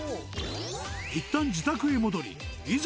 いったん自宅へ戻りいざ